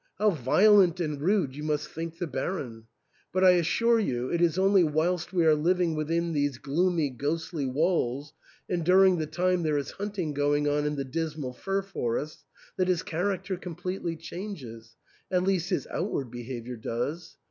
how violent and rude you must think the Baron ; but I assure you it is only whilst we are living within these gloomy, ghostly walls, and during the time there is hunting going on in the dismal fir forests, that his character completely changes, at least his outward behaviour does.